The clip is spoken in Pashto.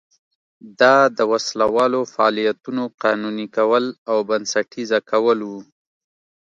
دا د وسله والو فعالیتونو قانوني کول او بنسټیزه کول و.